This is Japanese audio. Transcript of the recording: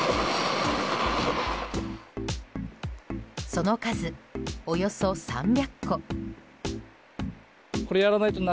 その数およそ３００個。